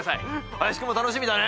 林くんも楽しみだね。